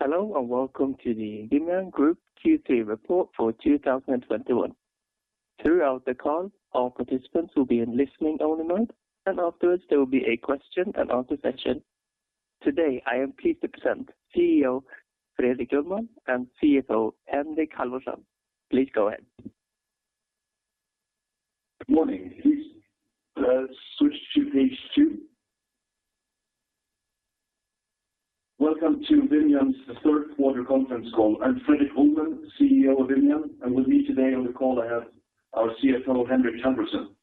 Hello and welcome to the Vimian Group Q3 report for 2021. Throughout the call, all participants will be in listening-only mode, and afterwards, there will be a question and answer session. Today, I am pleased to present CEO Fredrik Ullman and CFO Henrik Halvorsen. Please go ahead. Good morning. Please, switch to page two. Welcome to Vimian's third quarter conference call. I'm Fredrik Ullman, CEO of Vimian, and with me today on the call, I have our CFO, Henrik Halvorsen.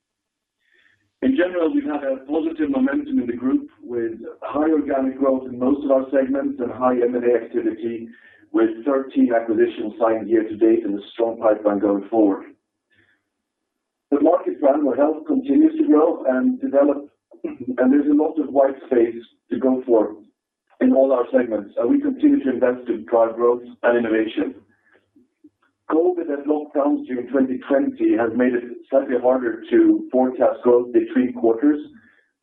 In general, we've had a positive momentum in the group with high organic growth in most of our segments and high M&A activity, with 13 acquisitions signed here to date and a strong pipeline going forward. The market for animal health continues to grow and develop, and there's a lot of white space to go for in all our segments, and we continue to invest to drive growth and innovation. COVID and lockdowns during 2020 has made it slightly harder to forecast growth between quarters,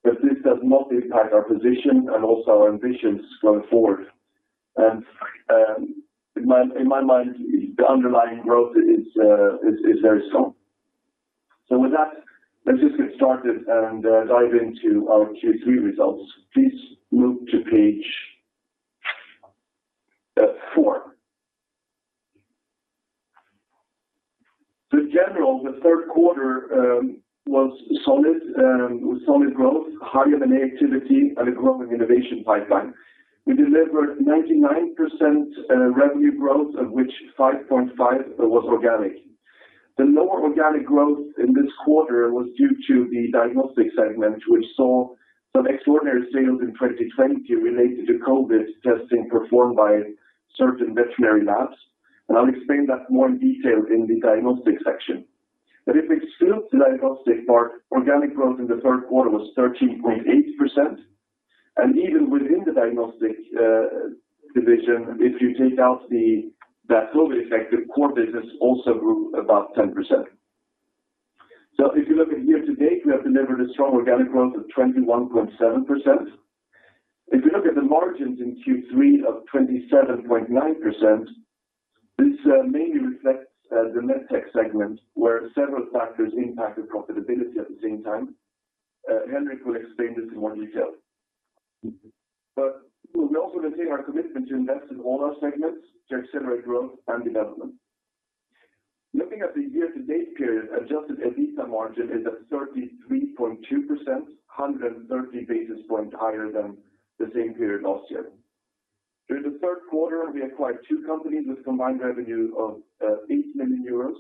but this does not impact our position and also our ambitions going forward. In my mind, the underlying growth is very strong. With that, let's just get started and dive into our Q3 results. Please move to page four. In general, the third quarter was solid with solid growth, high M&A activity and a growing innovation pipeline. We delivered 99% revenue growth, of which 5.5% was organic. The lower organic growth in this quarter was due to the Diagnostics segment, which saw some extraordinary sales in 2020 related to COVID testing performed by certain veterinary labs. I'll explain that more in detail in the Diagnostics section. If we exclude the Diagnostics part, organic growth in the third quarter was 13.8%. Even within the Diagnostics division, if you take out that COVID effect, the core business also grew about 10%. If you look at year-to-date, we have delivered a strong organic growth of 21.7%. If you look at the margins in Q3 of 27.9%, this mainly reflects the MedTech segment, where several factors impacted profitability at the same time. Henrik will explain this in more detail. We also maintain our commitment to invest in all our segments to accelerate growth and development. Looking at the year-to-date period, adjusted EBITDA margin is at 33.2%, 130 basis points higher than the same period last year. During the third quarter, we acquired two companies with combined revenue of 8 million euros,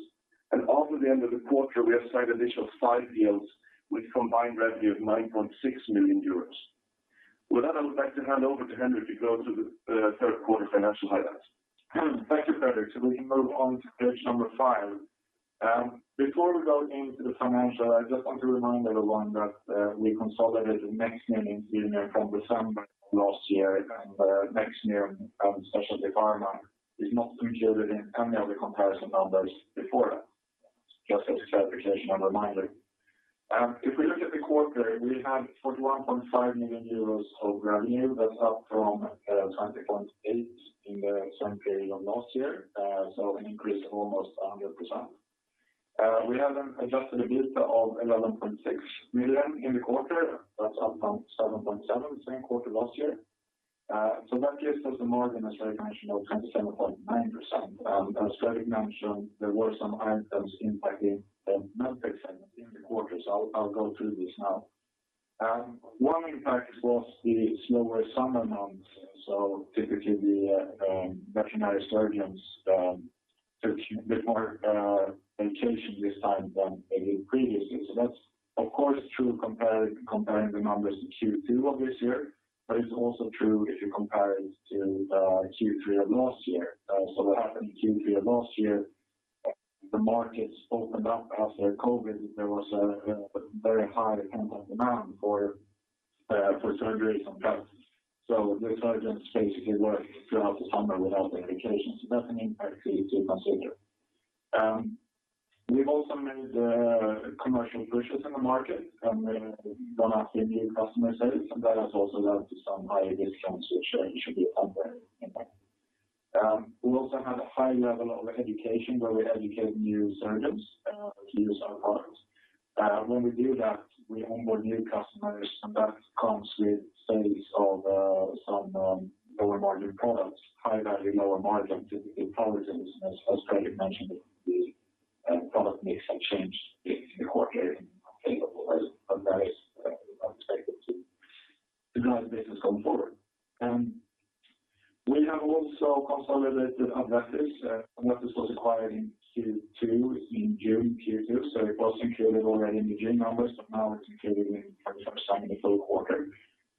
and after the end of the quarter, we have signed additional five deals with combined revenue of 9.6 million euros. With that, I would like to hand over to Henrik to go through the third quarter financial highlights. Thank you, Fredrik. We can move on to page five. Before we go into the financial, I just want to remind everyone that we consolidated MedTech in Vimian from December last year, and MedTech, Specialty Pharma is not included in any of the comparison numbers before that. Just as a clarification and reminder. If we look at the quarter, we had 41.5 million euros of revenue. That's up from 20.8 million in the same period of last year, so an increase of almost 100%. We have an adjusted EBITDA of 11.6 million in the quarter. That's up from 7.7 million the same quarter last year. That gives us a margin, as Fredrik mentioned, of 27.9%. As Fredrik mentioned, there were some items impacting the MedTech segment in the quarter. I'll go through this now. One impact was the slower summer months. Typically the veterinary surgeons took a bit more vacation this time than they did previously. That's of course true comparing the numbers to Q2 of this year, but it's also true if you compare it to Q3 of last year. What happened in Q3 of last year. The markets opened up after COVID. There was a very high pent-up demand for surgeries and products. The surgeons basically worked throughout the summer without their vacations. That's an impact we need to consider. We've also made commercial pushes in the market and gone after new customer sales, and that has also led to some higher discounts, which should be a one-time impact. We also had a high level of education where we educate new surgeons to use our products. When we do that, we onboard new customers, and that comes with sales of some lower-margin products. High value, lower margin, typically protons. As Fredrik mentioned, the product mix have changed in the quarter, and I think that is expected to drive business going forward. We have also consolidated AdVetis. AdVetis was acquired in Q2, in June, Q2, so it was included already in the June numbers, but now it's included for the first time in the full quarter.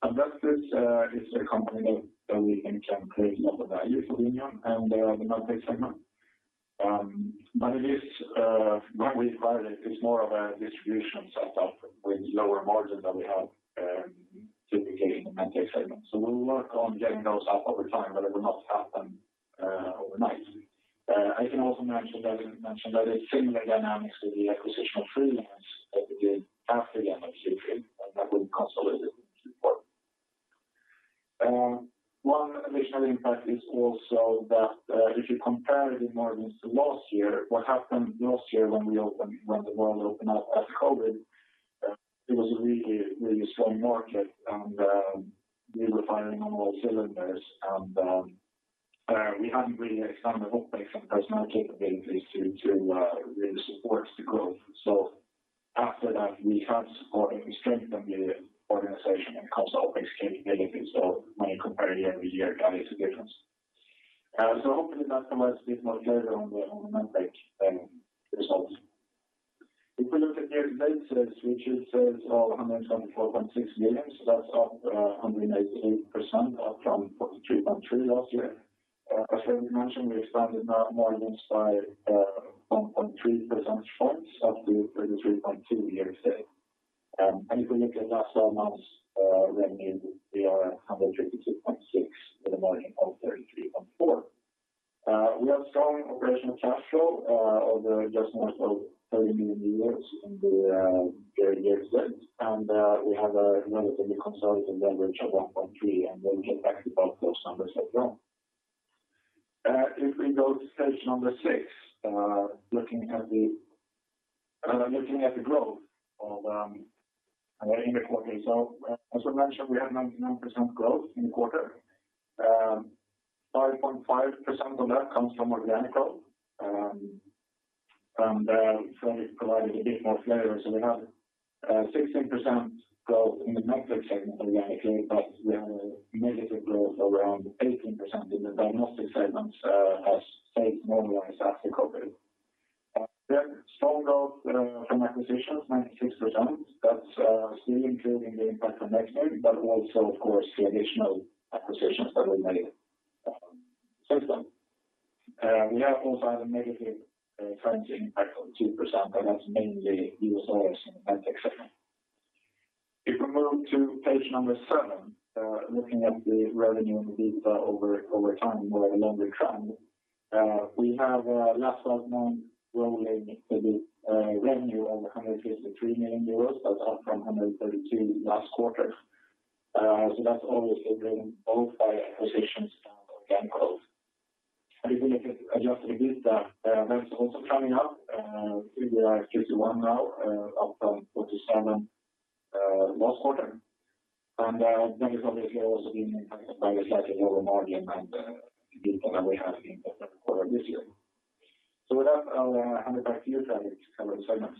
AdVetis is a company that we think can create a lot of value for Vimian and the MedTech segment. It is. When we acquired it's more of a distribution setup with lower margin than we have typically in the MedTech segment. We'll work on getting those up over time, but it will not happen overnight. I can also mention that it's similar dynamics to the acquisition of Freelance Surgical that we did after the M&A period, and that will consolidate it into the report. One additional impact is also that, if you compare the margins to last year, what happened last year when we opened, when the world opened up after COVID, it was a really strong market and we were firing on all cylinders and we hadn't really expanded both based on personnel capabilities to really support the growth. After that, we had support and we strengthened the organization and built out our capabilities. When you compare year-over-year, that is the difference. Hopefully that provides a bit more clarity on the MedTech results. If we look at year-to-date sales, which is sales of 124.6 million, that's up 188% from 43.3 million last year. As Fredrik mentioned, we expanded our margins by 1.3 percentage points up to 33.2% year to date. If we look at last 12 months revenue, we are at 152.6 million with a margin of 33.4%. We have strong operational cash flow of just North of 30 million in the year to date. We have a net working capital consolidated leverage of 1.3x, and we'll get back to both those numbers as well. If we go to page six, looking at the growth in the quarter. As we mentioned, we have 99% growth in the quarter. 5.5% of that comes from organic growth. It provided a bit more flavor. We have 16% growth in the MedTech segment organically, but we have a negative growth of around 18% in the Diagnostics segment, as has stayed normalized after COVID. Then strong growth from acquisitions, 96%. That's still including the impact of Nextmune, but also of course the additional acquisitions that we made. Since then. We have also had a negative currency impact of 2%, but that's mainly U.S. dollars in the MedTech segment. If we move to page seven, looking at the revenue and the EBITDA over time or the longer trend. We have last 12 months rolling EBITDA revenue of 153 million euros. That's up from 132 million last quarter. So, that's always driven both by acquisitions and organic growth. If we look at adjusted EBITDA, that's also coming up. We are at 51 million now, up from 47 million last quarter. That is obviously also being impacted by the slightly lower margin and EBITDA that we have in the current quarter this year. With that, I'll hand it back to you, Fredrik, to cover the segments.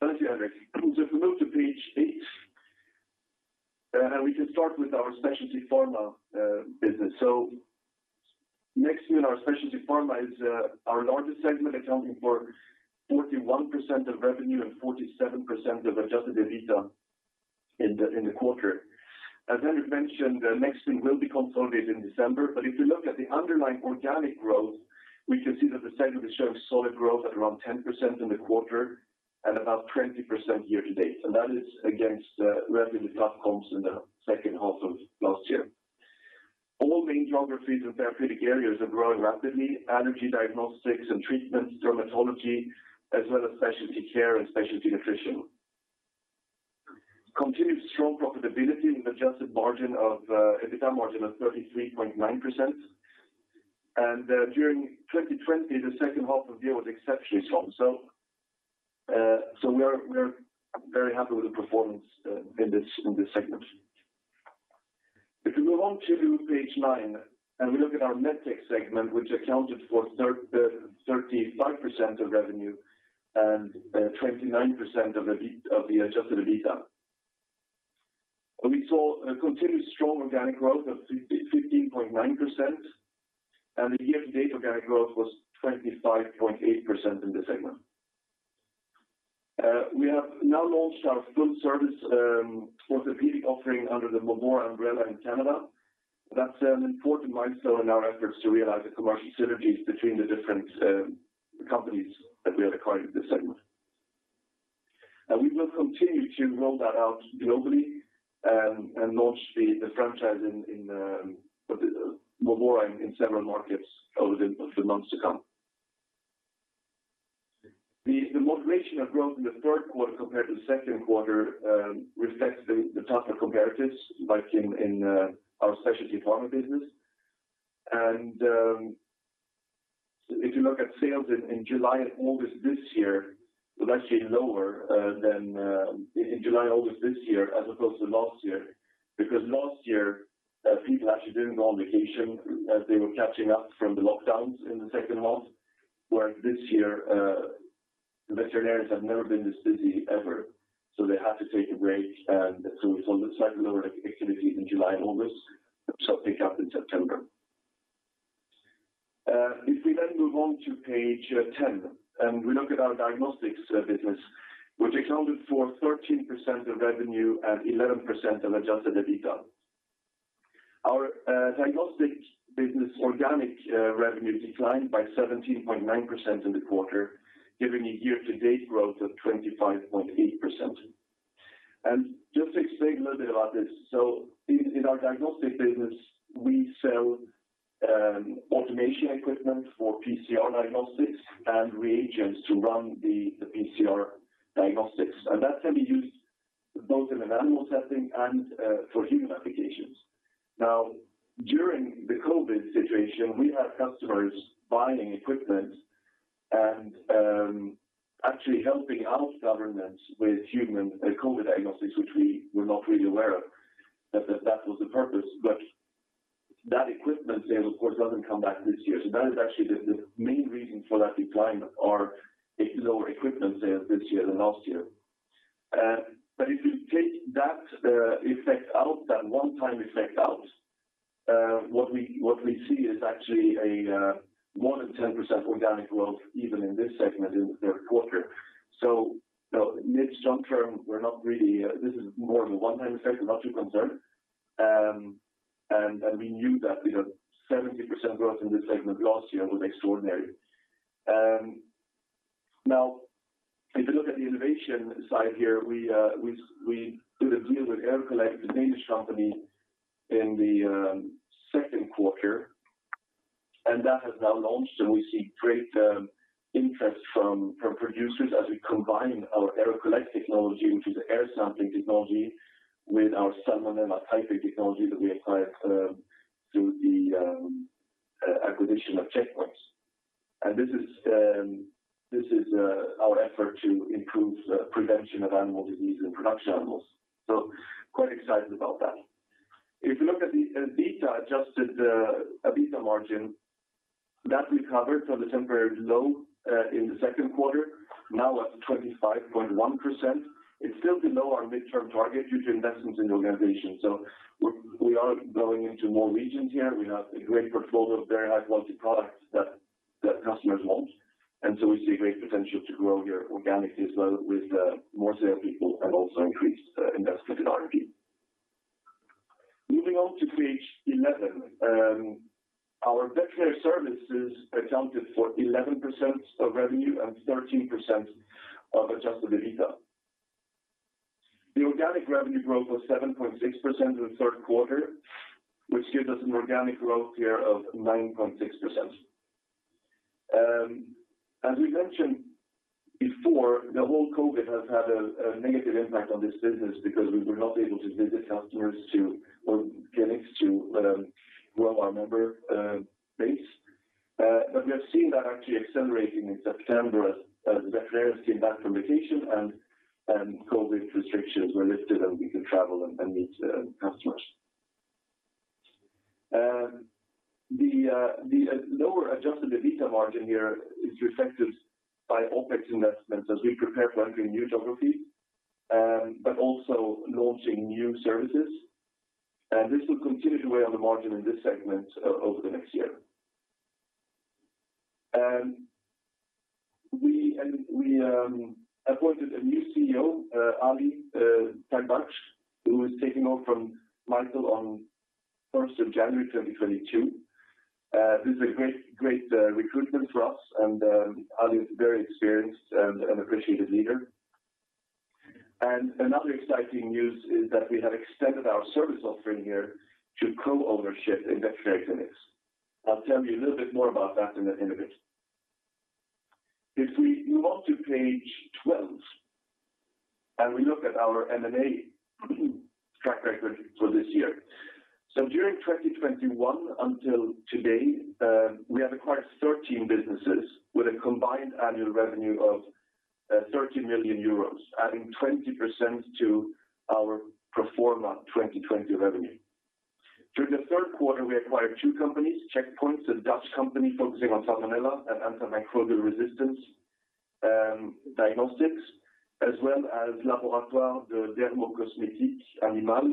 Thank you, Henrik. If we move to page eight, we can start with our Specialty Pharma business. Nextmune, our Specialty Pharma, is our largest segment, accounting for 41% of revenue and 47% of adjusted EBITDA in the quarter. As Henrik mentioned, Nextmune will be consolidated in December. If you look at the underlying organic growth, we can see that the segment is showing solid growth at around 10% in the quarter and about 20% year to date. That is against relatively tough comps in the second half of last year. All main geographies and therapeutic areas are growing rapidly. Allergy diagnostics and treatments, dermatology, as well as specialty care and specialty nutrition. Continued strong profitability with adjusted EBITDA margin of 33.9%. During 2020, the second half of the year was exceptionally strong. We are very happy with the performance in this segment. If we move on to page nine, and we look at our MedTech segment, which accounted for 35% of revenue and 29% of the adjusted EBITDA. We saw a continued strong organic growth of 15.9%, and the year-to-date organic growth was 25.8% in this segment. We have now launched our full-service orthopedic offering under the Movora umbrella in Canada. That's an important milestone in our efforts to realize the commercial synergies between the different companies that we have acquired in this segment. We will continue to roll that out globally, and launch the franchise in the Movora in several markets over the months to come. The moderation of growth in the third quarter compared to the second quarter reflects the tougher comparatives like in our Specialty Pharma business. If you look at sales in July and August this year, it was actually lower than in July and August this year as opposed to last year. Because last year, people actually didn't go on vacation as they were catching up from the lockdowns in the second half. Whereas this year, veterinarians have never been this busy ever, so they had to take a break. We saw the slightly lower activity in July and August, which will pick up in September. If we then move on to page 10, and we look at our Diagnostics business, which accounted for 13% of revenue and 11% of adjusted EBITDA. Our Diagnostics business organic revenue declined by 17.9% in the quarter, giving a year-to-date growth of 25.8%. Just to explain a little bit about this. In our Diagnostics business, we sell automation equipment for PCR diagnostics and reagents to run the PCR diagnostics. And that can be used both in an animal setting and for human applications. Now, during the COVID situation, we had customers buying equipment and actually helping out governments with human COVID diagnostics, which we were not really aware of, that was the purpose. But that equipment sale of course, doesn't come back this year. That is actually the main reason for that decline are lower equipment sales this year than last year. If you take that effect out, that one-time effect out, what we see is actually a more than 10% organic growth even in this segment in the third quarter. You know, mid short-term, this is more of a one-time effect. We're not too concerned. We knew that because 70% growth in this segment last year was extraordinary. Now if you look at the innovation side here, we did a deal with Aero-Collect, a Danish company, in the second quarter, and that has now launched, and we see great interest from producers as we combine our Aero-Collect technology, which is air sampling technology, with our salmonella typing technology that we acquired through the acquisition of Check-Points. This is our effort to improve prevention of animal disease in production animals. Quite excited about that. If you look at the adjusted EBITDA margin, that recovered from the temporary low in the second quarter, now at 25.1%. It's still below our midterm target due to investments in the organization. We are going into more regions here. We have a great portfolio of very high-quality products that customers want, and so we see great potential to grow here organically as well with more salespeople and also increased investment in R&D. Moving on to page 11. Our Veterinary Services accounted for 11% of revenue and 13% of adjusted EBITDA. The organic revenue growth was 7.6% in the third quarter, which gives us an organic growth here of 9.6%. As we mentioned before, the whole COVID has had a negative impact on this business because we were not able to visit customers or clinics to grow our member base. We have seen that actually accelerating in September as veterinarians came back from vacation and COVID restrictions were lifted, and we could travel and meet customers. The lower adjusted EBITDA margin here is reflected by OpEx investments as we prepare to enter a new geography, but also launching new services. This will continue to weigh on the margin in this segment over the next year. We appointed a new CEO, Alireza Tajbakhsh, who is taking over from Michael on first of January 2022. This is a great recruitment for us, and Ali is a very experienced and appreciated leader. Another exciting news is that we have extended our service offering here to co-ownership in veterinary clinics. I'll tell you a little bit more about that in a little bit. If we move on to page 12, and we look at our M&A track record for this year. During 2021 until today, we have acquired 13 businesses with a combined annual revenue of 30 million euros, adding 20% to our pro forma 2020 revenue. During the third quarter, we acquired two companies, Check-Points, a Dutch company focusing on salmonella and antimicrobial resistance diagnostics, as well as Laboratoire de Dermo-Cosmétique Animale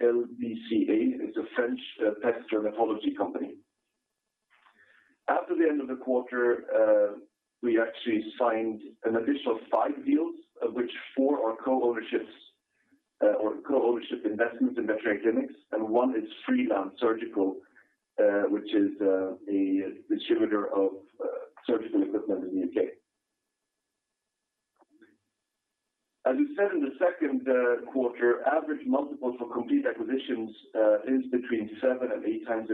(LDCA). It's a French pet dermatology company. After the end of the quarter, we actually signed an additional five deals, of which four are co-ownerships or co-ownership investments in veterinary clinics, and one is Freelance Surgical, which is a distributor of surgical equipment in the U.K. As we said in the second quarter, average multiple for complete acquisitions is between seven and eight times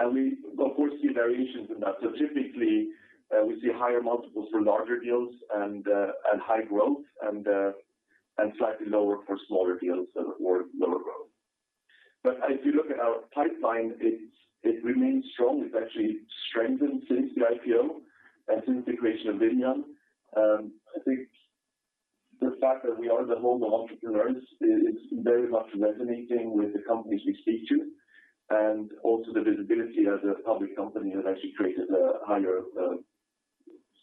EBITDA. We of course see variations in that. Typically, we see higher multiples for larger deals and high growth and slightly lower for smaller deals and/or lower growth. If you look at our pipeline, it remains strong. It actually strengthened since the IPO and since the creation of Vimian. I think the fact that we are the home of entrepreneurs is very much resonating with the companies we speak to, and also the visibility as a public company has actually created a higher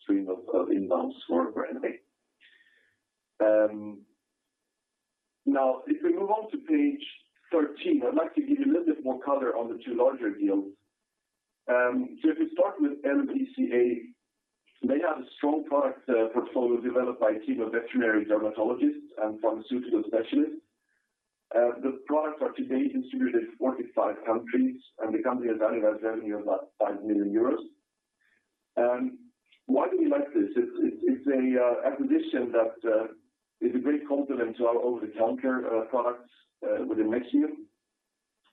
stream of inbounds for M&A. Now, if we move on to page 13, I'd like to give you a little bit more color on the two larger deals. If we start with LDCA, they have a strong product portfolio developed by a team of veterinary dermatologists and pharmaceutical specialists. The products are today distributed in 45 countries, and the company has annualized revenue of about 5 million euros. Why do we like this? It's a great complement to our over-the-counter products within Nextmune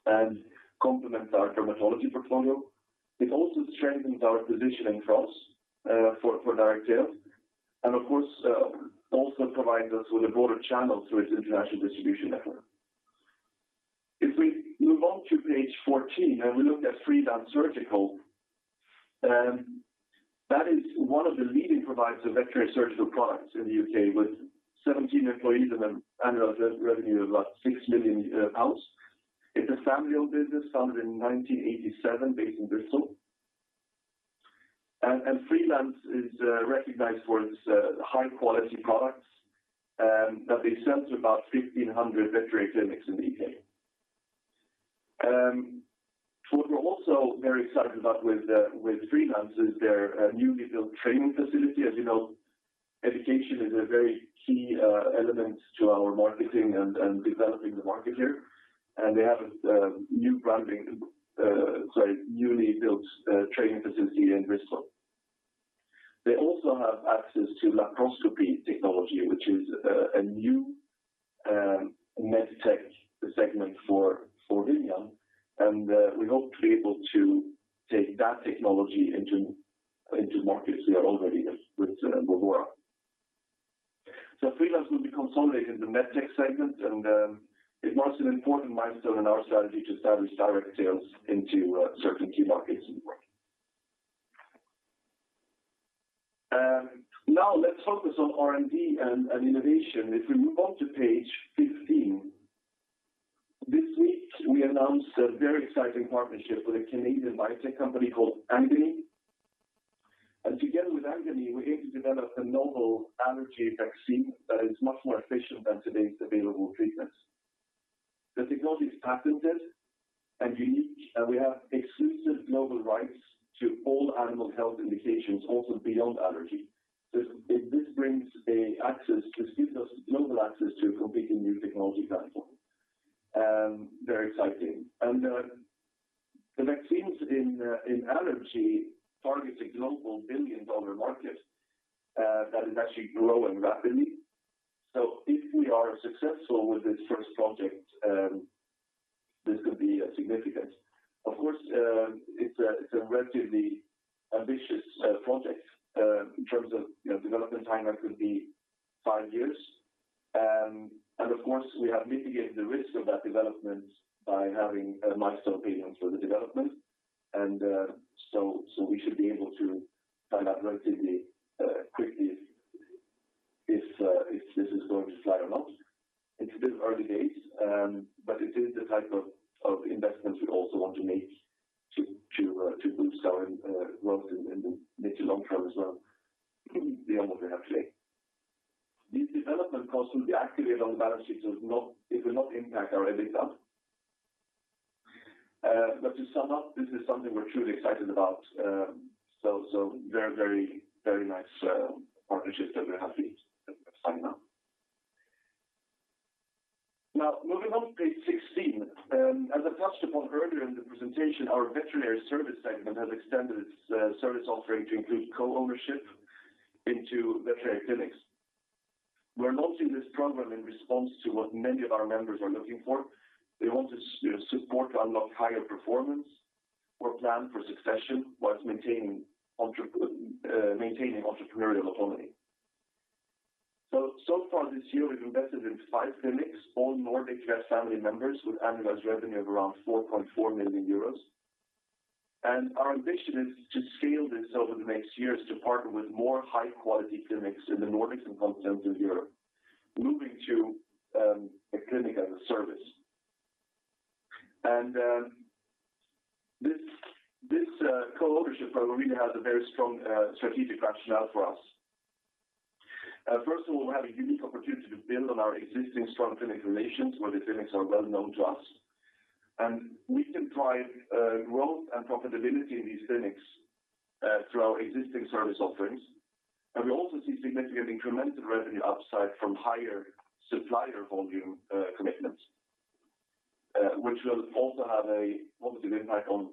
and complements our dermatology portfolio. It also strengthens our position in France for direct sales, and of course, also provides us with a broader channel through its international distribution network. If we move on to page 14 and we look at Freelance Surgical, that is one of the leading providers of veterinary surgical products in the U.K., with 17 employees and an annual revenue of about 6 million pounds. It's a family-owned business founded in 1987 based in Bristol. Freelance Surgical is recognized for its high-quality products that they sell to about 1,500 veterinary clinics in the U.K. What we're also very excited about with Freelance Surgical is their newly built training facility. As you know, education is a very key element to our marketing and developing the market here, and they have a newly built training facility in Bristol. They also have access to laparoscopy technology, which is a new MedTech segment for Vimian, and we hope to be able to take that technology into markets we are already with Movora. Freelance Surgical will be consolidated in the MedTech segment, and it marks an important milestone in our strategy to establish direct sales into certain key markets. Now let's focus on R&D and innovation. If we move on to page 15. This week we announced a very exciting partnership with a Canadian biotech company called Angany. Together with Angany, we're going to develop a novel allergy vaccine that is much more efficient than today's available treatments. The technology is patented and unique, and we have exclusive global rights to all animal health indications also beyond allergy. This gives us global access to a completely new technology platform. Very exciting. The vaccines in allergy targets a global billion-dollar market that is actually growing rapidly. If we are successful with this first project, this could be significant. Of course, it's a relatively ambitious project in terms of, you know, development timeline could be five years. Of course we have mitigated the risk of that development by having a milestone payment for the development. So we should be able to find out relatively quickly if this is going to fly or not. It's a bit early days, but it is the type of investments we also want to make to boost our growth in the mid to long term as well beyond what we have today. These development costs will be activated on the balance sheet, so it will not impact our EBITDA. To sum up, this is something we're truly excited about. So very nice partnership that we're happy to have signed now. Now, moving on to page 16. As I touched upon earlier in the presentation, our Veterinary Services segment has extended its service offering to include co-ownership into veterinary clinics. We're launching this program in response to what many of our members are looking for. They want support to unlock higher performance or plan for succession while maintaining entrepreneurial autonomy. So far this year, we've invested in five clinics, all Nordic VetFamily members with annualized revenue of around 4.4 million euros. Our ambition is to scale this over the next years to partner with more high-quality clinics in the Nordics and Continental Europe, moving to a clinic as a service. This co-ownership program really has a very strong strategic rationale for us. First of all, we have a unique opportunity to build on our existing strong clinic relations where the clinics are well known to us. We can drive growth and profitability in these clinics through our existing service offerings. We also see significant incremental revenue upside from higher supplier volume commitments which will also have a positive impact on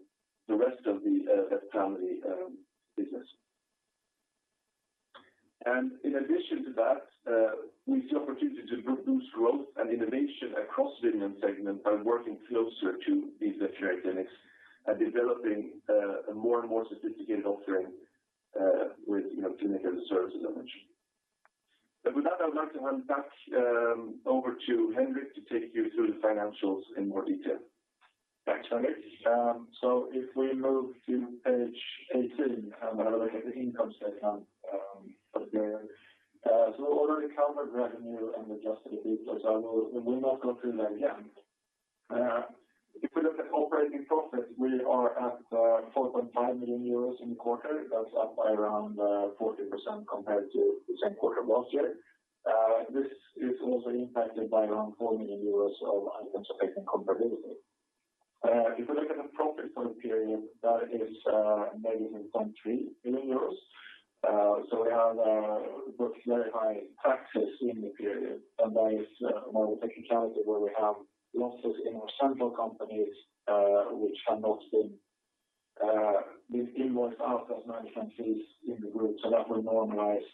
the rest of the VetFamily business. In addition to that, we see opportunity to boost growth and innovation across Vimian segment by working closer to these veterinary clinics and developing a more and more sophisticated offering with, you know, clinical services, as I mentioned. With that, I would like to hand back over to Henrik to take you through the financials in more detail. Thanks, Henrik. If we move to page 18 and have a look at the income statement up there. We already covered revenue and adjusted EBITDA, we will not go through that again. If we look at operating profit, we are at 4.5 million euros in the quarter. That's up by around 14% compared to the same quarter last year. This is also impacted by around 4 million euros of items affecting comparability. If you look at the profit for the period, that is -3%. We have booked very high taxes in the period, and there is more technicality where we have losses in our central companies, which have not been invoiced out as management fees in the group, so that will normalize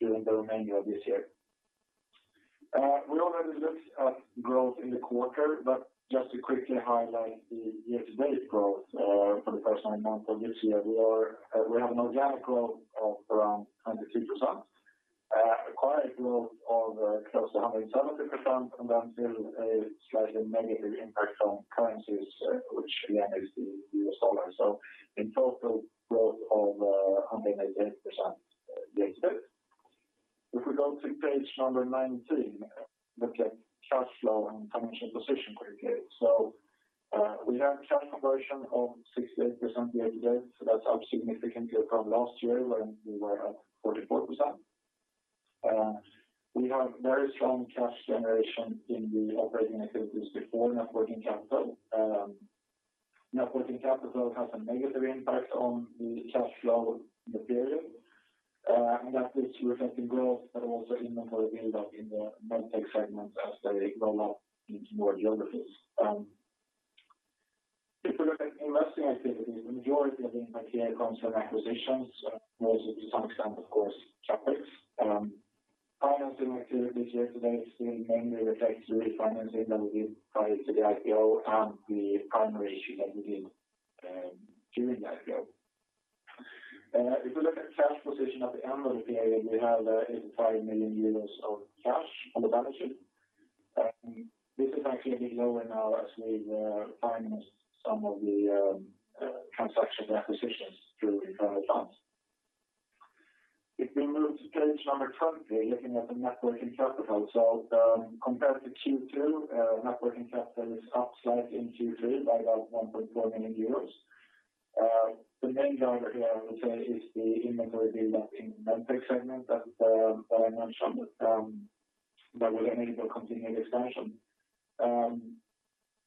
during the remainder of this year. We already looked at growth in the quarter, but just to quickly highlight the year-to-date growth, for the first nine months of this year, we have an organic growth of around 22%. Acquired growth of close to 170% and then still a slightly negative impact on currencies, which again is the U.S. dollar. In total growth of 188% year-to-date. If we go to page number 19, look at cash flow and financial position quickly. We have cash conversion of 68% year-to-date, so that's up significantly from last year when we were at 44%. We have very strong cash generation in the operating activities before net working capital. Net working capital has a negative impact on the cash flow in the period. And that is reflecting growth but also inventory build-up in the MedTech segments as they roll out into more geographies. If you look at investing activities, the majority of the impact here comes from acquisitions, mostly to some extent, of course, CapEx. Financing activities year-to-date still mainly reflects the refinancing that we did prior to the IPO and the primary issue that we did during the IPO. If you look at cash position at the end of the period, we have 85 million euros of cash on the balance sheet. This is actually a bit lower now as we financed some of the transaction acquisitions through internal funds. If we move to page number 20, looking at the net working capital. Compared to Q2, net working capital is up slightly in Q3 by about 1.4 million euros. The main driver here I would say is the inventory build-up in MedTech segment that I mentioned that will enable continued expansion.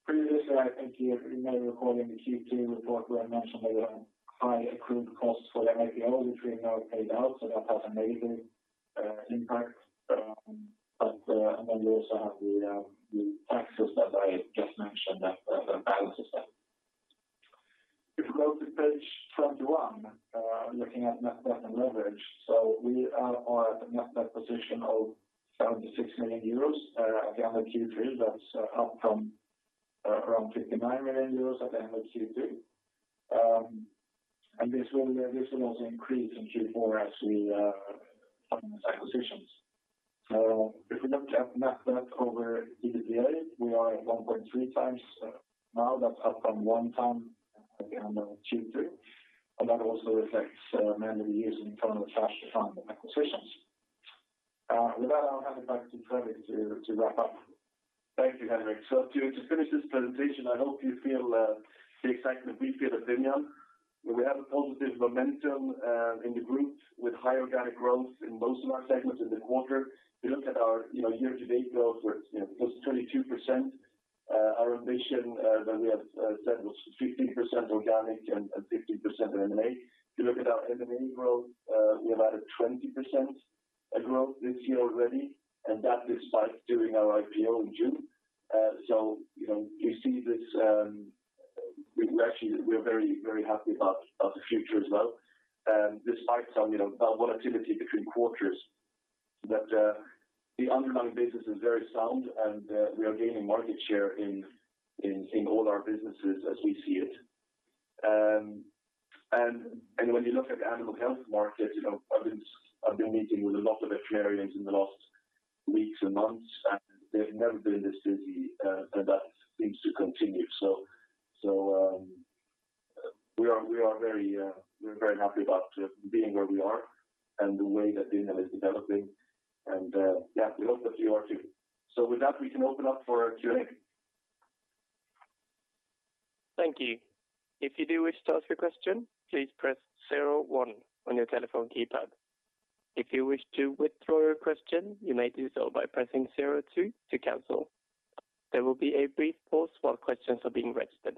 Previously, I think you may recall in the Q2 report where I mentioned that we have high accrued costs for the IPO, which we have now paid out, so that has a major impact. We also have the taxes that I just mentioned that balances that. If you go to page 21, looking at net debt and leverage. We are at the net debt position of 76 million euros at the end of Q3. That's up from EUR 59 million at the end of Q2. This will also increase in Q4 as we fund those acquisitions. If we look at net debt over EBITDA, we are at 1.3x. Now that's up from 1x at the end of Q2. That also reflects mainly using internal cash to fund the acquisitions. With that, I'll hand it back to Fredrik to wrap up. Thank you, Henrik. To finish this presentation, I hope you feel the excitement we feel at Vimian. We have a positive momentum in the group with high organic growth in most of our segments in the quarter. If you look at our year-to-date growth, you know, we're close to 22%. Our ambition that we have said was 15% organic and 50% of M&A. If you look at our M&A growth, we've added 20% growth this year already, and that despite doing our IPO in June. You know, you see this, we actually are very, very happy about the future as well. Despite some, you know, volatility between quarters, that the underlying business is very sound and we are gaining market share in all our businesses as we see it. When you look at animal health market, you know, I've been meeting with a lot of veterinarians in the last weeks and months, and they've never been this busy. That seems to continue. We are very happy about being where we are and the way that Vimian is developing. Yeah, we hope that you are too. With that, we can open up for Q&A. Thank you. If you do wish to ask question, please press zero one on your telephone keypad. If you wish to withdraw you question.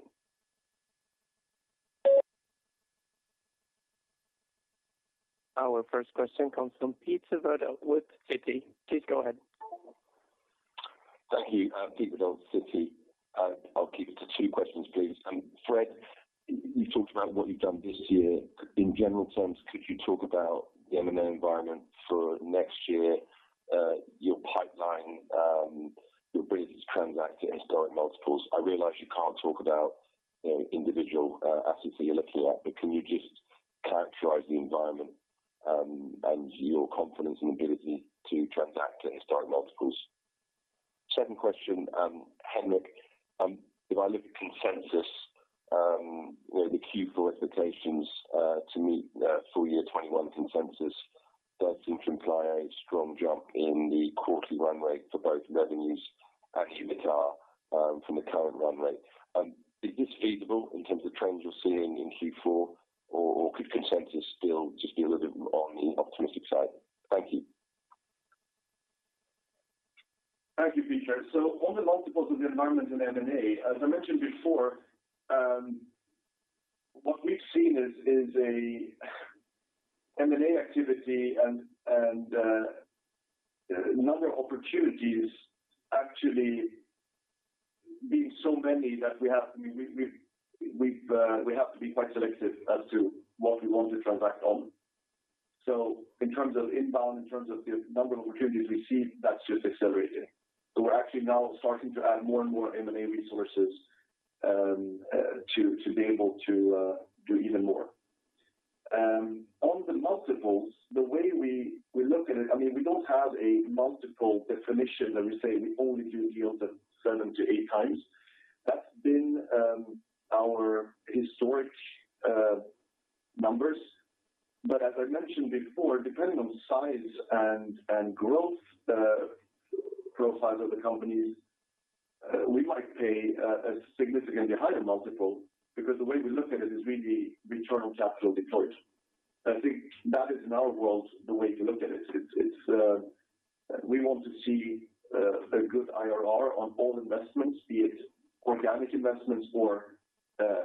Our first question comes from Pete Savard with Citi. Please go ahead. Thank you. Pete with Citi. I'll keep it to two questions, please. Fred, you talked about what you've done this year? In general terms, could you talk about the M&A environment for next year, your pipeline, your ability to transact at historic multiples? I realize you can't talk about, you know, individual assets that you're looking at, but can you just characterize the environment, and your confidence and ability to transact at historic multiples? Second question, Henrik, if I look at consensus, you know, the Q4 expectations, to meet full year 2021 consensus, that seems to imply a strong jump in the quarterly run rate for both revenues at EBITDA from the current run rate. Is this feasible in terms of trends you're seeing in Q4 or could consensus still just be a little bit on? Thank you, Pete. On the multiples in the M&A environment, as I mentioned before, what we've seen is a M&A activity and number of opportunities actually been so many that we have to be quite selective as to what we want to transact on. In terms of inbound, in terms of the number of opportunities we see, that's just accelerating. We're actually now starting to add more and more M&A resources to be able to do even more. On the multiples, the way we look at it, I mean, we don't have a multiple definition that we say we only do deals at 7x-8x. That's been our historic numbers. As I mentioned before, depending on size and growth profiles of the companies, we might pay a significantly higher multiple because the way we look at it is really return on capital deployed. I think that is in our world the way to look at it. We want to see a good IRR on all investments, be it organic investments or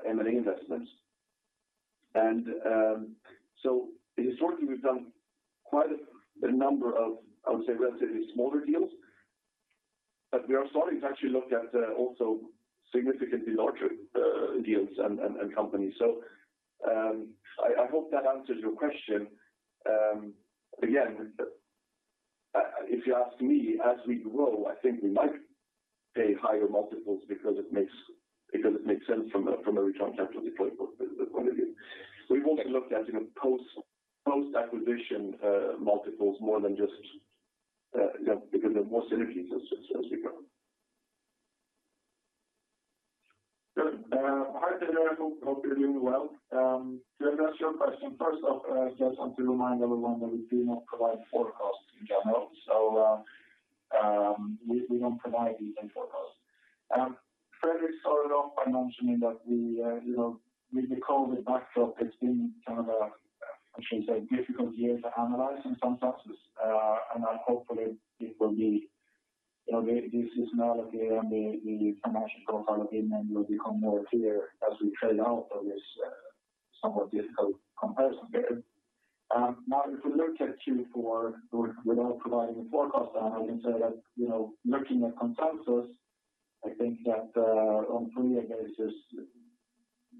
M&A investments. Historically, we've done quite a number of, I would say, relatively smaller deals, but we are starting to actually look at also significantly larger deals and companies. I hope that answers your question. Again, if you ask me, as we grow, I think we might pay higher multiples because it makes sense from a return on capital deployment point of view. We've also looked at, you know, post-acquisition multiples more than just, you know, because there are more synergies as we grow. Good. Hi, Pete. Hope you're doing well. To address your question, first off, just want to remind everyone that we do not provide forecasts in general. We don't provide detailed forecasts. Fredrik started off by mentioning that we, you know, with the COVID backdrop, it's been kind of a, I should say, difficult year to analyze in some senses. Hopefully it will be, you know, this is now clear and the financial profile of Indical will become more clear as we trade out of this, somewhat difficult comparison period. Now if we look at Q4 without providing a forecast, I can say that, you know, looking at consensus, I think that, on a three-year basis, you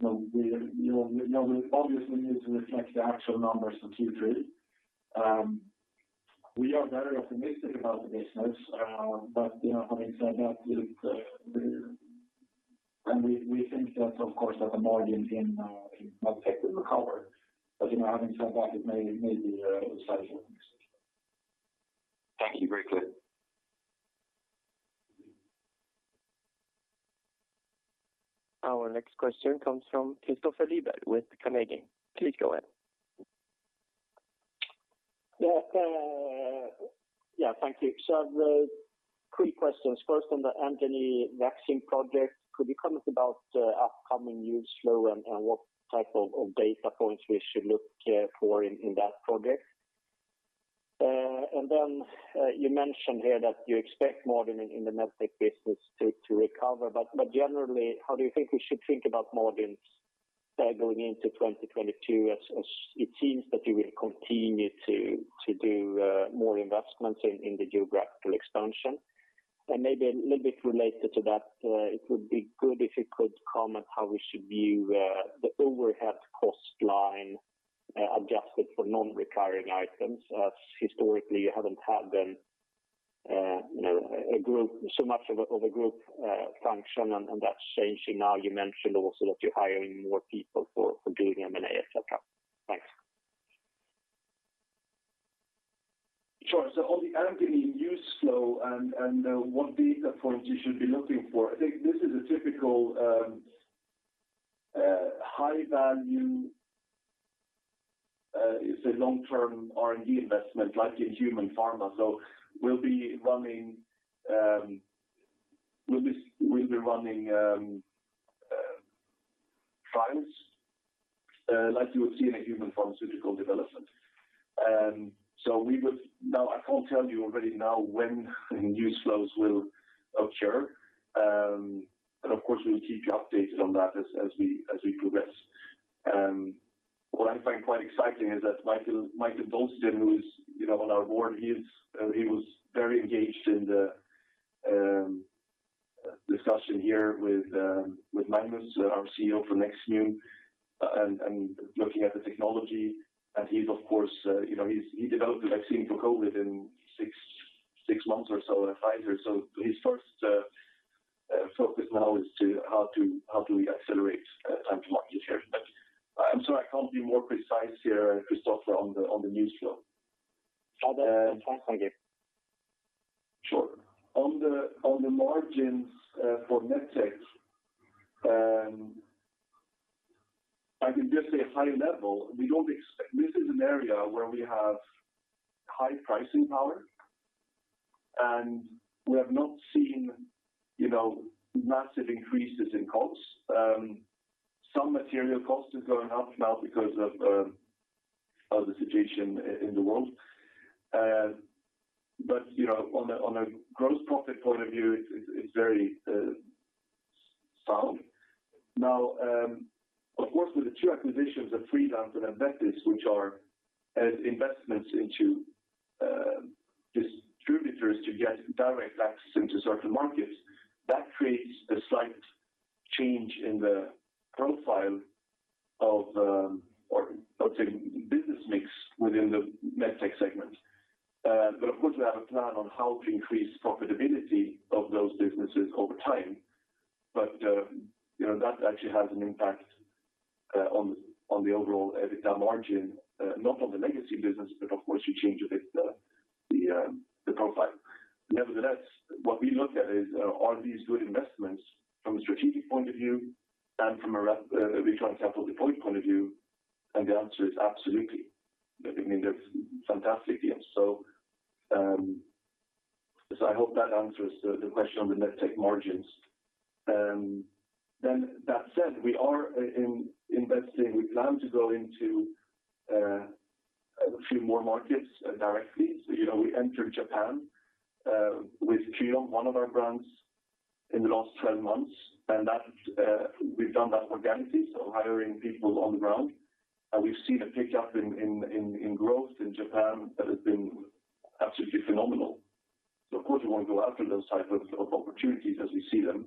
know, we obviously need to reflect the actual numbers for Q3. We are very optimistic about the business, but, you know, having said that, we think that, of course, that the margins in MedTech will recover. You know, having said that, it may be slightly. Thank you. Very clear. Our next question comes from Kristofer Liljeberg with Carnegie. Please go ahead. Thank you. I have three questions. First, on the Anthony vaccine project, could you comment about upcoming news flow and what type of data points we should look for in that project? You mentioned here that you expect margin in the MedTech business to recover. Generally, how do you think we should think about margins going into 2022 as it seems that you will continue to do more investments in the geographical expansion? Maybe a little bit related to that, it would be good if you could comment how we should view the overhead cost line, adjusted for non-recurring items, as historically you haven't had them, you know, so much of a group function and that's changing. Now, you mentioned also that you're hiring more people for doing M&A, etc. Thanks. Sure. On the Anthony news flow and what data points you should be looking for, I think this is a typical high value, it's a long-term R&D investment like in human pharma. We'll be running trials like you would see in a human pharmaceutical development. Now, I can't tell you already now when news flows will occur. Of course, we'll keep you updated on that as we progress. What I find quite exciting is that Mikael Dolsten, who is, you know, on our board, he was very engaged in the discussion here with Magnus, our CEO for Nextmune, and looking at the technology. He's of course, you know, developed a vaccine for COVID in six months or so at Pfizer. His first focus now is how do we accelerate time to market here. I'm sorry, I can't be more precise here, Kristofer, on the news flow. How about on price target? Sure. On the margins, for MedTech, I can just say high level, we don't expect. This is an area where we have high pricing power, and we have not seen, you know, massive increases in costs. Some material cost is going up now because of the situation in the world. But you know, on a gross profit point of view, it's very sound. Now, of course, with the two acquisitions of Freelance Surgical and AdVetis, which are investments into distributors to get direct access into certain markets, that creates a slight change in the profile of, or I would say business mix within the MedTech segment. But of course, we have a plan on how to increase profitability of those businesses over time. You know, that actually has an impact on the overall EBITDA margin, not on the legacy business, but of course, you change a bit the profile. Nevertheless, what we look at is, are these good investments from a strategic point of view and from a return capital deployed point of view, and the answer is absolutely. I mean, they're fantastic deals. I hope that answers the question on the MedTech margins. That said, we are investing. We plan to go into a few more markets directly. You know, we entered Japan with KYON, one of our brands, in the last 12 months, and that's we've done that organically, so hiring people on the ground. We've seen a pickup in growth in Japan that has been absolutely phenomenal. Of course, we want to go after those types of opportunities as we see them.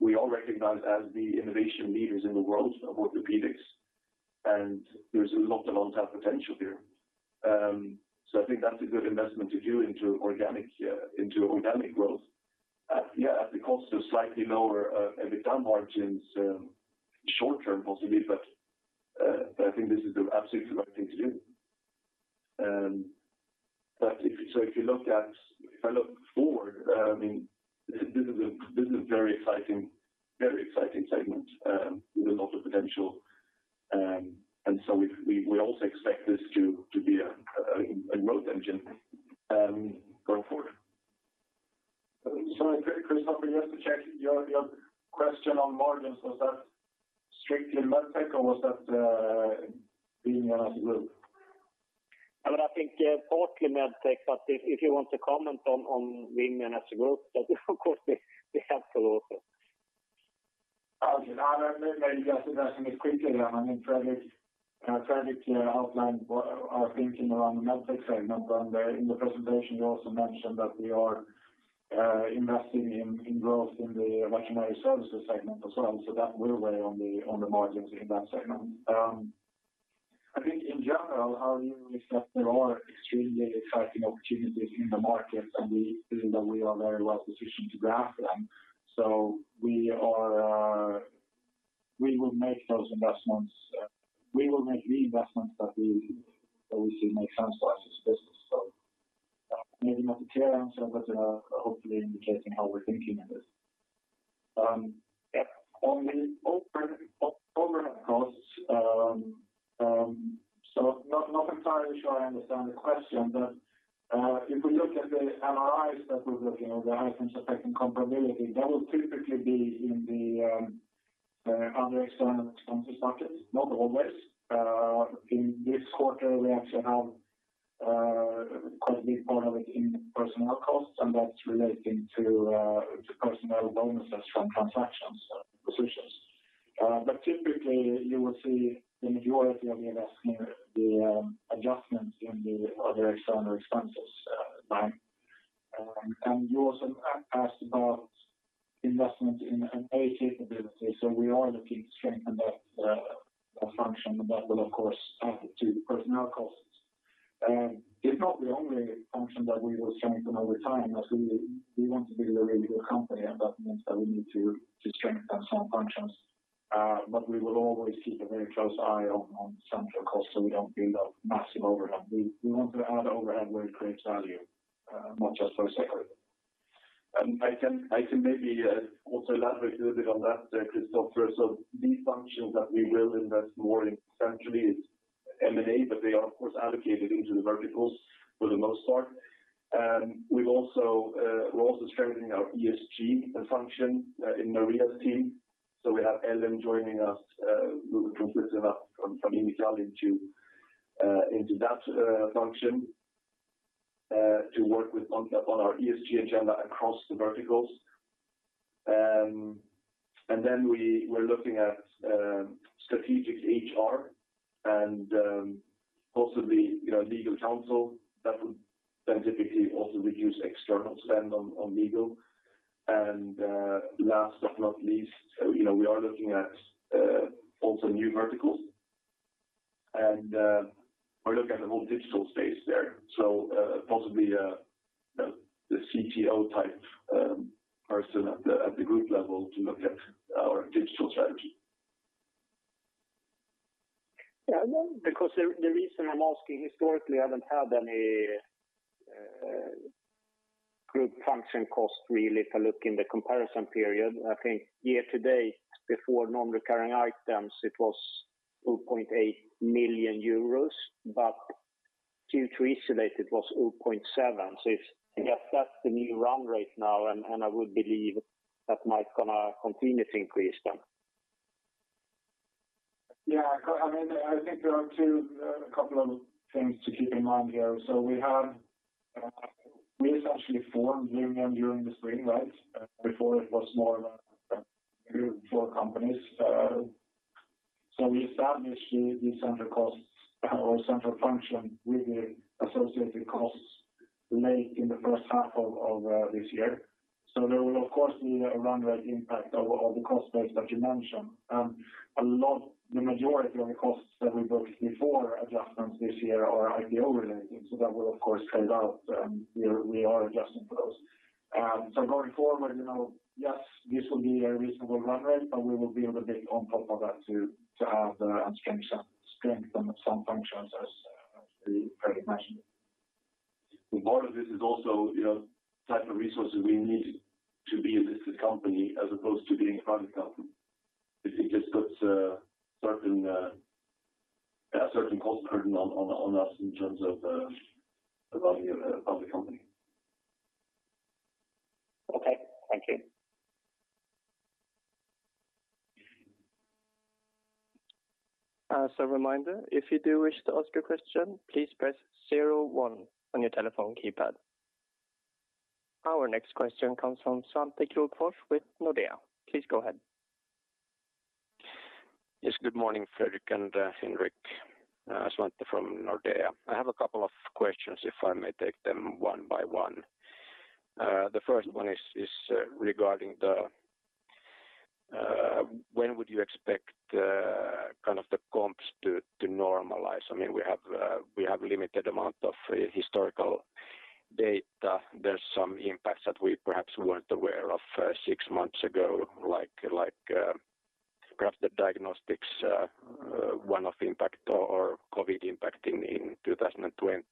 We all recognize as the innovation leaders in the world of orthopedics, and there's a lot of long-term potential there. I think that's a good investment to do into organic growth. Yeah, at the cost of slightly lower EBITDA margins short term possibly, but I think this is absolutely the right thing to do. If I look forward, I mean, this is a very exciting segment with a lot of potential. We also expect this to be a growth engine going forward. Sorry, Kristoffer, just to check, your question on margins, was that strictly MedTech or was that Vimian as a group? I mean, I think, partly MedTech, but if you want to comment on Vimian as a group, that of course be helpful also. Okay. No, no, maybe I'll just address them quickly then. I mean, Fredrik outlined what our thinking around the MedTech segment. In the presentation, you also mentioned that we are investing in growth in the Veterinary Services segment as well, so that will weigh on the margins in that segment. I think in general, our view is that there are extremely exciting opportunities in the market, and we feel that we are very well positioned to grab them. We are, we will make those investments. We will make the investments that we see make sense for us as a business. Maybe not a clear answer, but hopefully indicating how we're thinking in this. On the overhead costs, not entirely sure I understand the question. If we look at the IACs that we're looking at, the items affecting comparability, that will typically be in the other external expenses bucket, not always. In this quarter, we actually have quite a big part of it in personnel costs, and that's relating to personnel bonuses from transactions, acquisitions. Typically, you will see the majority of the investment, the adjustments in the other external expenses line. You also asked about investment in M&A capability, so we are looking to strengthen that function, and that will of course add to personnel costs. It's not the only function that we will strengthen over time, as we want to be a very good company, and that means that we need to strengthen some functions. We will always keep a very close eye on central costs so we don't build up massive overhead. We want to add overhead where it creates value, not just for the sake of it. I can maybe also elaborate a little bit on that there, Kristofer. The functions that we will invest more centrally is M&A, but they are of course allocated into the verticals for the most part. We're also strengthening our ESG function in Maria's team. We have Ellen joining us, who will come straight to us from Italy into that function to work with on our ESG agenda across the verticals. Then we're looking at strategic HR and possibly, you know, legal counsel that would then typically also reduce external spend on legal. Last but not least, you know, we are looking at also new verticals and we're looking at the whole digital space there. Possibly a CTO type person at the group level to look at our digital strategy. No, because the reason I'm asking, historically, I haven't had any group function cost really if I look in the comparison period. I think year to date, before non-recurring items, it was 2.8 million euros. Q3 isolated was 0.7 million. If yes, that's the new run rate now, and I would believe that might gonna continue to increase then. Yeah. I mean, I think there are two, a couple of things to keep in mind here. We have we essentially formed Vimian during the spring, right? Before it was more like four companies. We established the central costs or central function with the associated costs made in the first half of this year. There will of course be a run rate impact of the cost base that you mentioned. A lot, the majority of the costs that we booked before adjustments this year are IPO related, so that will of course tail out. We are adjusting for those. Going forward, you know, yes, this will be a reasonable run rate, but we will be able to build on top of that to have the strength on some functions as we previously mentioned. Part of this is also, you know, type of resources we need to be a listed company as opposed to being a private company. It just puts a certain cost burden on us in terms of the value of the company. Okay. Thank you. As a reminder, if you do wish to ask a question, please press zero one on your telephone keypad. Our next question comes from Svante Krokfors with Nordea. Please go ahead. Yes. Good morning, Fredrik and Henrik. Svante from Nordea. I have a couple of questions, if I may take them one by one. The first one is regarding when would you expect the kind of comps to normalize? I mean, we have limited amount of historical data. There's some impacts that we perhaps weren't aware of six months ago, like perhaps the Diagnostics one-off impact or COVID impact in 2020.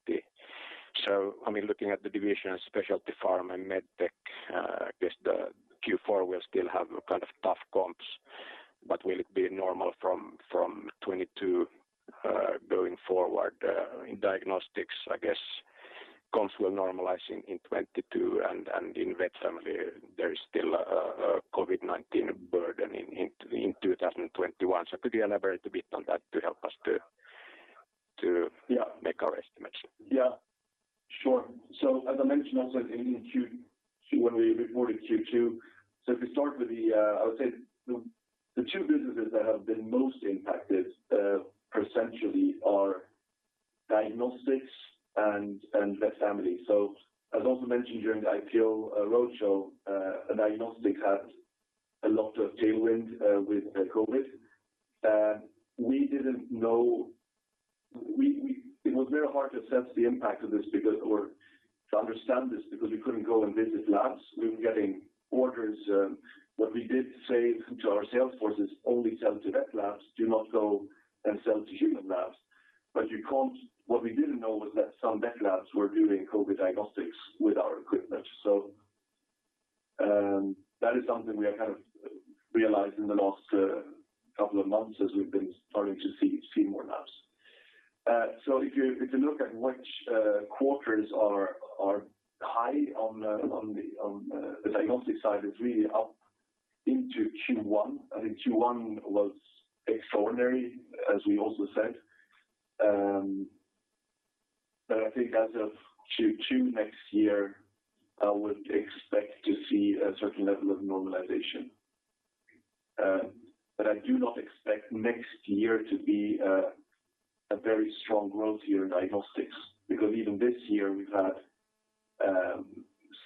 So I mean, looking at the division of Specialty Pharma and MedTech, I guess the Q4 will still have a kind of tough comps, but will it be normal from 2022 going forward? In Diagnostics, I guess comps will normalize in 2022 and in VetFamily there is still a COVID-19 burden in 2021. Could you elaborate a bit on that to help us to Yeah. make our estimates? Yeah, sure. As I mentioned also in Q2 when we reported Q2, if we start with the I would say the two businesses that have been most impacted percentually are Diagnostics and VetFamily. As also mentioned during the IPO roadshow, Diagnostics had a lot of tailwind with COVID. We didn't know. It was very hard to assess the impact of this or to understand this because we couldn't go and visit labs. We were getting orders. What we did say to our sales forces, "Only sell to vet labs, do not go and sell to human labs." But you can't. What we didn't know was that some vet labs were doing COVID diagnostics with our equipment. That is something we have kind of realized in the last couple of months as we've been starting to see more labs. If you look at which quarters are high on the Diagnostics side, it's really up into Q1. I think Q1 was extraordinary, as we also said. I think as of Q2 next year, I would expect to see a certain level of normalization. I do not expect next year to be a very strong growth year in Diagnostics because even this year we've had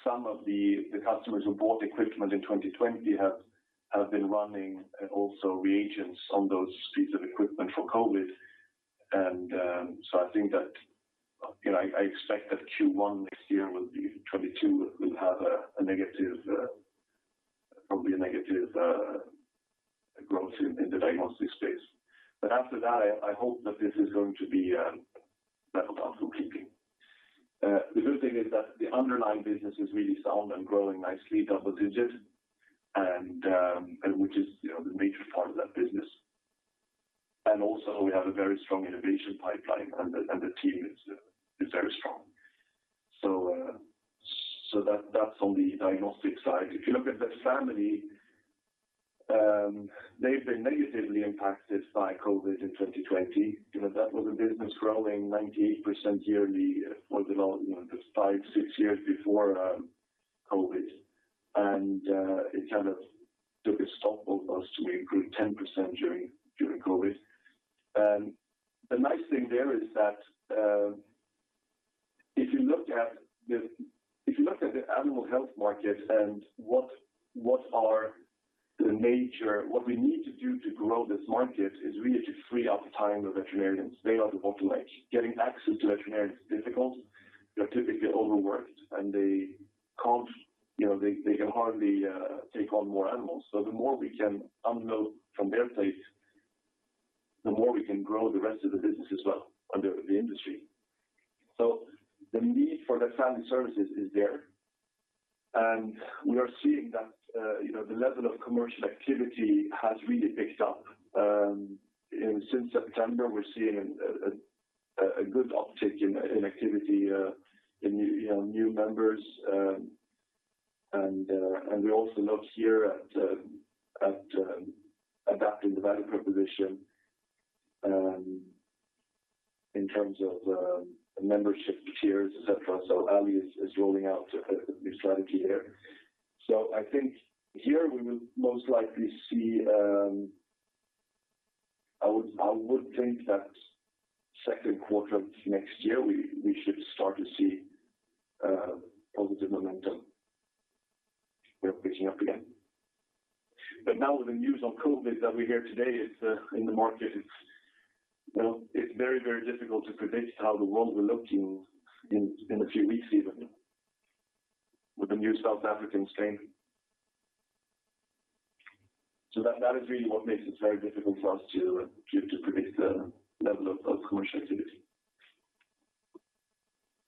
some of the customers who bought equipment in 2020 have been running also reagents on those pieces of equipment for COVID. I think that, you know, I expect that Q1 2022 will have a probably negative growth in the diagnostic space. After that I hope that this is going to be level off or keeping. The good thing is that the underlying business is really sound and growing nicely double-digit and which is, you know, the major part of that business. Also we have a very strong innovation pipeline and the team is very strong. That, that's on the diagnostic side. If you look at VetFamily, they've been negatively impacted by COVID in 2020. You know, that was a business growing 98% yearly for the, you know, the five-six years before COVID. It kind of took a stop almost. We grew 10% during COVID. The nice thing there is that if you look at the animal health market and what we need to do to grow this market is really to free up the time of veterinarians. They are the bottleneck. Getting access to a veterinarian is difficult. They're typically overworked, and you know they can hardly take on more animals. So the more we can unload from their plate, the more we can grow the rest of the business as well in the industry. So the need for VetFamily services is there. We are seeing that you know the level of commercial activity has really picked up. Since September, we're seeing a good uptick in activity in new, you know, new members. We also look here at adapting the value proposition in terms of membership tiers, etc. Ali is rolling out a new strategy there. I think here we will most likely see. I would think that second quarter of next year, we should start to see positive momentum, you know, picking up again. Now with the news on COVID that we hear today is in the market, it's well, it's very difficult to predict how the world will look in a few weeks even with the new South African strain. That is really what makes it very difficult for us to predict the level of commercial activity.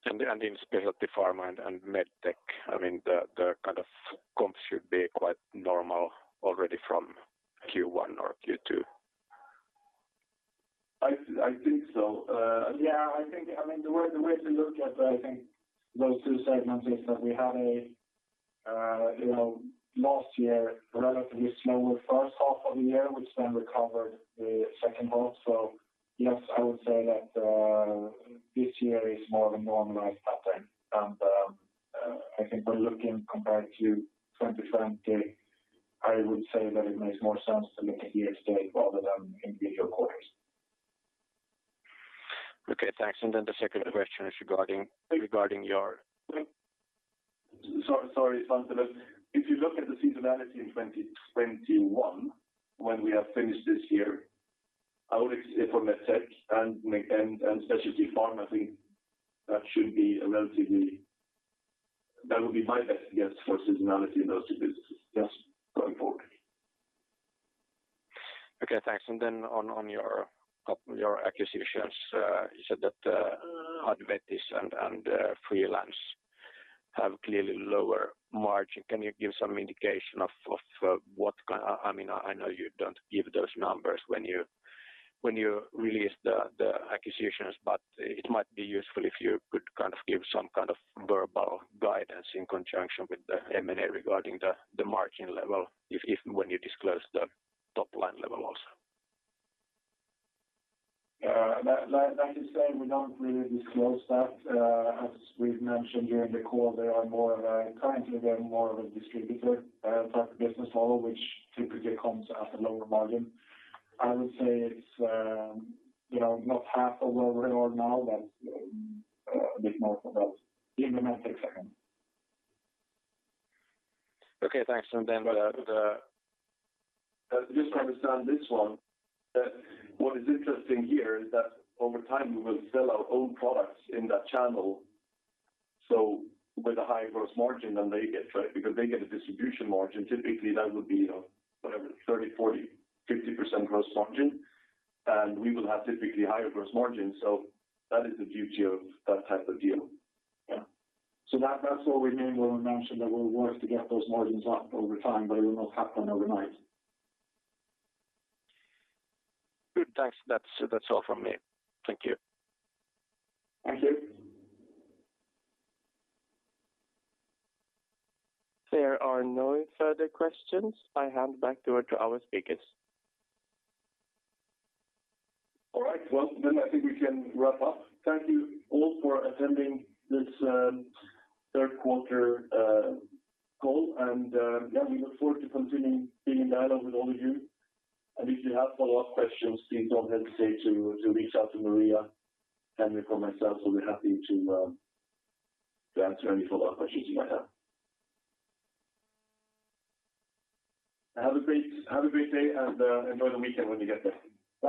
In Specialty Pharma and MedTech, I mean, the kind of comps should be quite normal already from Q1 or Q2? I think so. Yeah, I think, I mean, the way to look at, I think, those two segments is that we had a, you know, last year, relatively slower first half of the year, which then recovered in the second half. Yes, I would say that this year is more of a normalized pattern. I think by looking compared to 2020, I would say that it makes more sense to look at year-to-date rather than individual quarters. Okay, thanks. The second question is regarding your- Sorry, Svante. If you look at the seasonality in 2021, when we have finished this year, I would say for MedTech and Specialty Pharma, I think that should be a relatively. That would be my best guess for seasonality in those two businesses, yes, going forward. Okay, thanks. On your acquisitions, you said that AdVetis and Freelance have clearly lower margin. Can you give some indication of what I mean, I know you don't give those numbers when you release the acquisitions, but it might be useful if you could kind of give some kind of verbal guidance in conjunction with the M&A regarding the margin level if when you disclose the top line level also? Like you say, we don't really disclose that. As we've mentioned during the call, currently they're more of a distributor type of business model, which typically comes at a lower margin. I would say it's, you know, not half of where we are now, but a bit more from those in the MedTech segment. Okay, thanks. Just to understand this one, what is interesting here is that over time, we will sell our own products in that channel, so with a higher gross margin than they get, right? Because they get a distribution margin, typically that would be, you know, whatever, 30%, 40%, 50% gross margin. We will have typically higher gross margin. That is the beauty of that type of deal. Yeah. That, that's what we mean when we mention that we'll work to get those margins up over time, but it will not happen overnight. Good. Thanks. That's all from me. Thank you. Thank you. There are no further questions. I hand back over to our speakers. All right. Well, then I think we can wrap up. Thank you all for attending this third quarter call. Yeah, we look forward to continuing being in dialogue with all of you. If you have follow-up questions, please don't hesitate to reach out to Maria, Henrik, or myself. We'll be happy to answer any follow-up questions you might have. Have a great day, and enjoy the weekend when you get there. Bye.